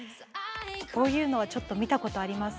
こういうのはちょっと見たことあります。